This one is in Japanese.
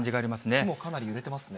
木もかなり揺れてますね。